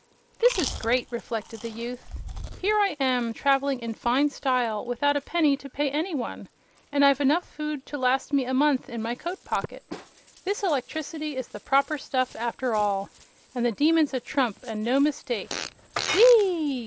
"This is great!" reflected the youth. "Here I am, traveling in fine style, without a penny to pay any one! And I've enough food to last me a month in my coat pocket. This electricity is the proper stuff, after all! And the Demon's a trump, and no mistake. Whee ee!